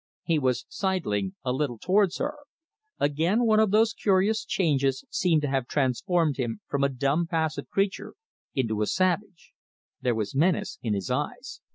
He was sidling a little towards her. Again one of those curious changes seemed to have transformed him from a dumb, passive creature into a savage. There was menace in his eyes.